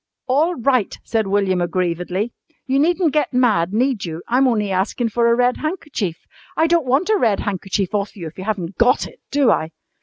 "All right," said William aggrievedly. "You needn't get mad, need you? I'm only askin' for a red handkerchief. I don't want a red handkerchief off you if you haven't got it, do I?"